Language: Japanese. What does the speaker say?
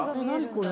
これ。